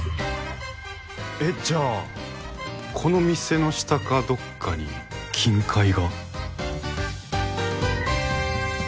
えっじゃあこの店の下かどっかに金塊が？